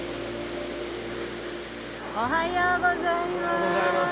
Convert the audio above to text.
おはようございます。